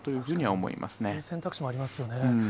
そういう選択肢もありますよね。